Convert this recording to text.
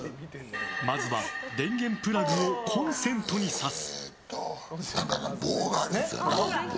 まずは電源プラグをコンセントに挿す。